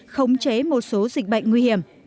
khống chế một số dịch bệnh nguy hiểm